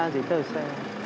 kiểm tra giấy tờ xe